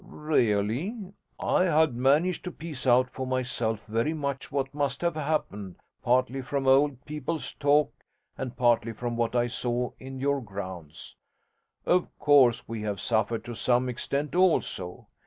'Really I had managed to piece out for myself very much what must have happened, partly from old people's talk and partly from what I saw in your grounds. Of course we have suffered to some extent also.